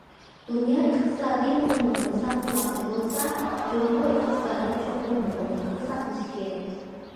دۇنيا ئىقتىسادى مۇقىملىقىنى ساقلىماقچى بولسا، جۇڭگو ئىقتىسادى چوقۇم مۇقىملىقنى ساقلىشى كېرەك.